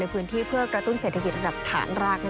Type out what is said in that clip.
พื้นที่เพื่อกระตุ้นเศรษฐกิจระดับฐานราก